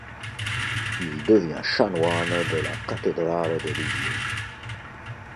Il devient chanoine de la cathédrale de Lisieux.